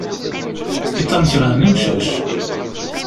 Iḍan kerhen imcac.